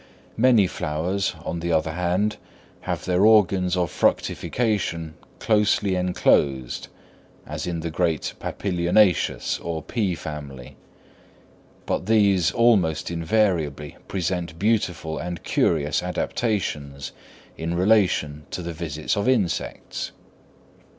Many flowers, on the other hand, have their organs of fructification closely enclosed, as in the great papilionaceous or pea family; but these almost invariably present beautiful and curious adaptations in relation to the visits of insects.